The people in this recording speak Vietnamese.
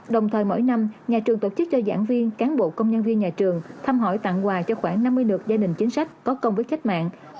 đồng thời mỗi năm nhà trường tổ chức cho giảng viên cán bộ công nhân viên nhà trường thăm hỏi tặng quà cho khoảng năm mươi lượt gia đình chính sách có công với cách mạng